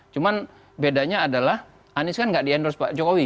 cuma bedanya adalah anies kan nggak di endorse pak jokowi